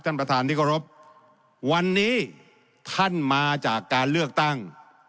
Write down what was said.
ท่านประธานที่เคารพวันนี้ท่านมาจากการเลือกตั้ง